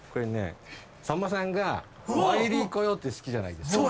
さんまさんがワイリー・コヨーテ好きじゃないですか。